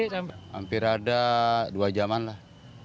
hampir ada dua jam an lah